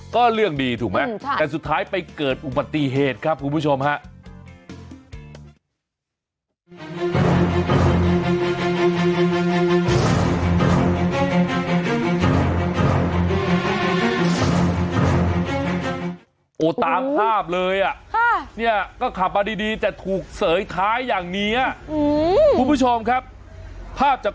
ก็เรื่องดีถูกไหมแต่สุดท้ายไปเกิดอุบัติเหตุครับคุณผู้ชมฮะ